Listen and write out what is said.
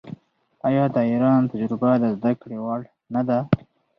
آیا د ایران تجربه د زده کړې وړ نه ده؟